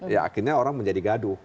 ya akhirnya orang menjadi gaduh